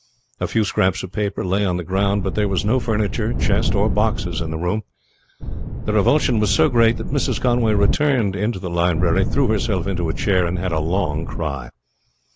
A few scraps of paper lay on the ground, but there was no furniture, chest, or boxes in the room. The revulsion was so great that Mrs. Conway returned into the library, threw herself into a chair, and had a long cry.